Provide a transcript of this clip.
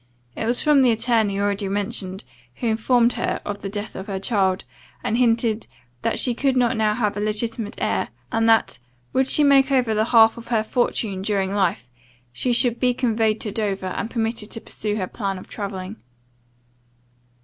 It was from the attorney already mentioned, who informed her of the death of her child, and hinted, "that she could not now have a legitimate heir, and that, would she make over the half of her fortune during life, she should be conveyed to Dover, and permitted to pursue her plan of travelling."